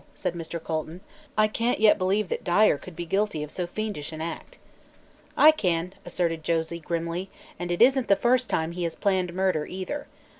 said Mr. Colton, "I can't yet believe that Dyer could be guilty of so fiendish an act." "I can," asserted Josie grimly, "and it isn't the first time he has planned murder, either.